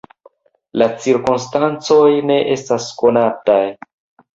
La cirkonstancoj ne estas konataj.